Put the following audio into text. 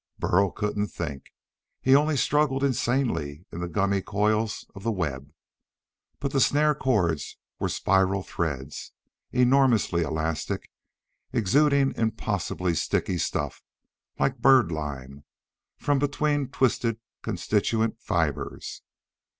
Burl couldn't think. He only struggled insanely in the gummy coils of the web. But the snare cords were spiral threads, enormously elastic, exuding impossibly sticky stuff, like bird lime, from between twisted constituent fibres.